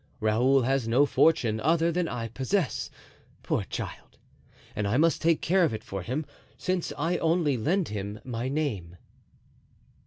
Raoul has no fortune other than I possess, poor child! and I must take care of it for him, since I only lend him my name."